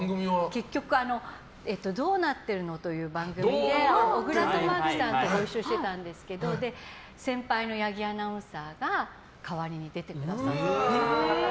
結局「どうなってるの？」という番組で小倉智昭さんとご一緒してたんですけど先輩の八木アナウンサーが代わりに出てくださって。